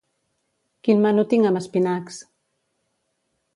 Quin menú tinc amb espinacs?